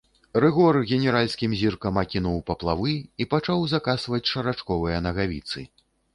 Рыгор генеральскім зіркам акінуў паплавы і пачаў закасваць шарачковыя нагавіцы.